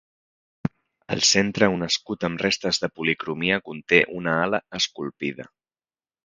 Al centre un escut amb restes de policromia conté una ala esculpida.